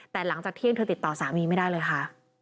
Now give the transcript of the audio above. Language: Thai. แต่หลังจากเที่ยงเธอติดต่อสามีไม่ได้เลยค่ะ